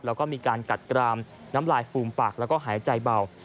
แล้วก็มีการกัดกรามน้ำลายฟูมปากแล้วก็หายใจเบา